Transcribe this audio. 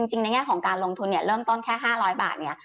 ในแง่ของการลงทุนเนี่ยเริ่มต้นแค่๕๐๐บาทเนี่ย